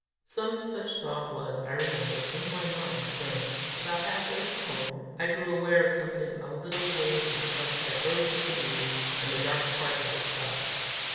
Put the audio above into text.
Some such thought was, I remember, in my mind, when, about halfway from home, I grew aware of something a little way in front that rose between me and a dark part of the sky.